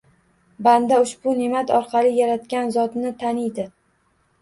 Banda ushbu neʼmat orqali Yaratgan Zotni taniydi.